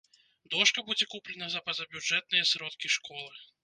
Дошка будзе куплена за пазабюджэтныя сродкі школы.